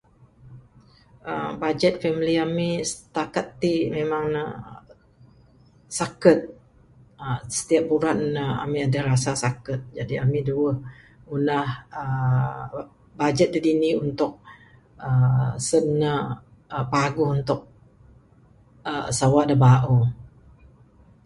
uhh Bajet family ami sitakat ti memang nuh saket uhh stiap buran uhh ami adeh rasa saket jaji ami duweh ngunah uhh bajet da dini untuk uhh sen nuh uhh paguh untuk uhh sawa da bauh.